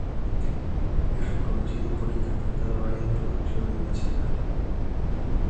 Es reconocido por interpretar varias producciones nacionales.